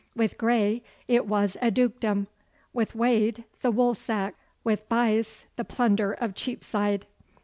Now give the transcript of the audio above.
With Grey it was a dukedom, with Wade the woolsack, with Buyse the plunder of Cheapside.